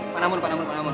panamun panamun panamun